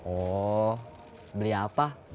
oh beli apa